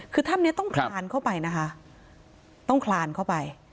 คือถ้ำนี้ต้องคลานเข้าไปนะคะต้องคลานเข้าไป